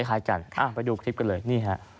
คล้ายกันไปดูคลิปกันเลยนี่ฮะ